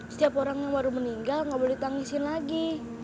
setiap orang yang baru meninggal nggak boleh ditangisin lagi